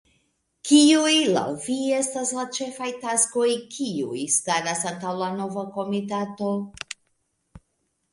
Kiuj laŭ vi estas la ĉefaj taskoj, kiuj staras antaŭ la nova komitato?